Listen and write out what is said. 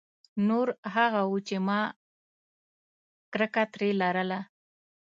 نور هغه وو چې ما کرکه ترې لرله.